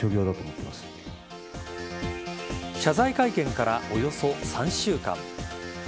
謝罪会見からおよそ３週間。